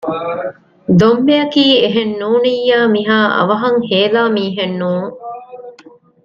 ދޮންބެއަކީ އެހެންނޫނިއްޔާ މިހާ އަވަހަށް ހޭލާ މީހެއް ނޫން